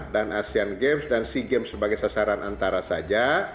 dan asean games dan sea games sebagai sasaran antara saja